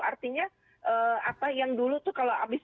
artinya apa yang dulu tuh kalau habis